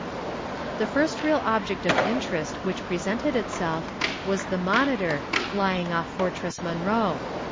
The first real object of interest which presented itself was the "Monitor" lying off Fortress Monroe.